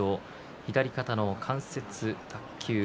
左肩の関節脱臼。